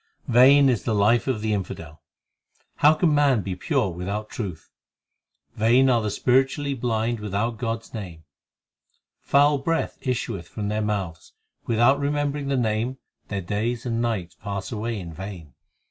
6 Vain is the life of the infidel. 1 How can man be pure without truth ? Vain are the spiritually blind without God s name ; Foul breath 2 issueth from their mouths : Without remembering the Name their days and nights pass away in vain.